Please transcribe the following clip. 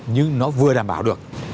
nhưng nó vừa đảm bảo được